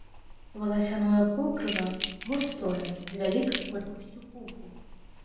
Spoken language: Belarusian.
Валасяное покрыва густое, з вялікай колькасцю пуху.